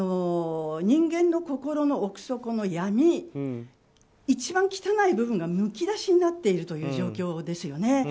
人間の心の奥底の闇一番汚い部分がむき出しになっているという状況ですよね。